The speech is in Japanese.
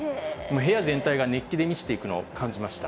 部屋全体が熱気で満ちていくのを感じました。